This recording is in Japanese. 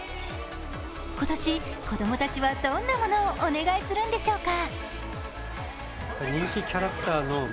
今年、子供たちはどんなものをお願いするのでしょうか。